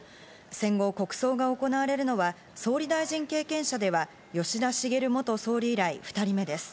戦後、国葬が行われるのは、総理大臣経験者では、吉田茂元総理以来２人目です。